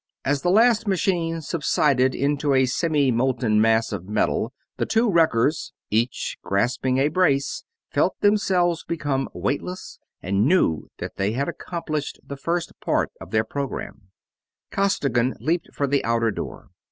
As the last machine subsided into a semi molten mass of metal the two wreckers, each grasping a brace, felt themselves become weightless and knew that they had accomplished the first part of their program. Costigan leaped for the outer door.